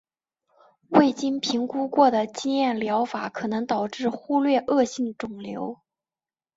未经评估过的经验疗法可能导致忽略恶性肿瘤。